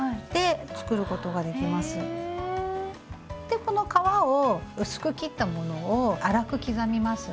でこの皮を薄く切ったものを粗く刻みます。